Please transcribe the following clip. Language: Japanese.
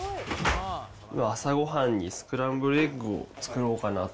朝ごはんにスクランブルエッグを作ろうかなと。